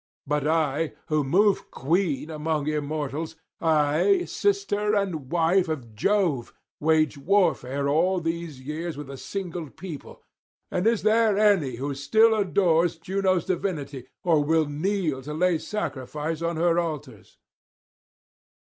But I, who move queen among immortals, I sister and wife of Jove, wage warfare all these years with a single people; and is there any who still adores Juno's divinity, or will kneel to lay sacrifice on her altars?'